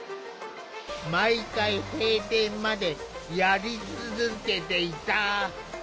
毎回閉店までやり続けていた。